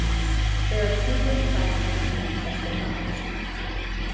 There are two great classes of these ancestor-gods.